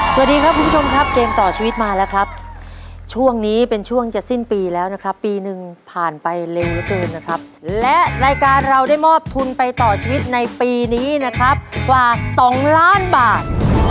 สวัสดีครับคุณผู้ชมครับเกมต่อชีวิตมาแล้วครับช่วงนี้เป็นช่วงจะสิ้นปีแล้วนะครับปีหนึ่งผ่านไปเร็วเหลือเกินนะครับและรายการเราได้มอบทุนไปต่อชีวิตในปีนี้นะครับกว่าสองล้านบาท